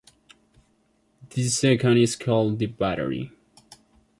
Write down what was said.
The second is called the battery.